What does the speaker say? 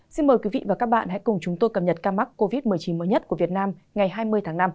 xin mời quý vị và các bạn hãy cùng chúng tôi cập nhật ca mắc covid một mươi chín mới nhất của việt nam ngày hai mươi tháng năm